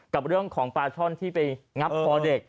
กับเรื่องของปลาช่อนที่ไปงับคอเด็ก